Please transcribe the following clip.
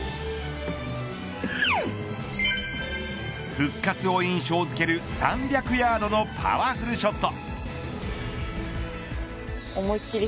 復活を印象づける３００ヤードのパワフルショット。